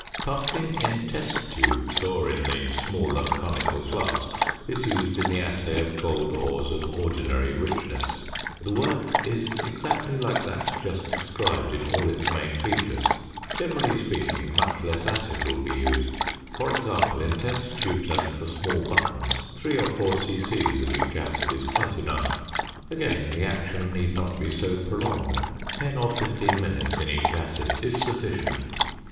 Parting in test tubes, or in the smaller conical flasks, is used in the assay of gold ores of ordinary richness. The work is exactly like that just described in all its main features. Generally speaking much less acid will be used; for example, in test tubes and for small buttons, 3 or 4 c.c. of each acid is quite enough. Again, the action need not be so prolonged; 10 or 15 minutes in each acid is sufficient.